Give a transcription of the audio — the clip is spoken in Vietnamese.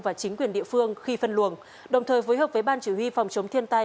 và chính quyền địa phương khi phân luồng đồng thời phối hợp với ban chỉ huy phòng chống thiên tai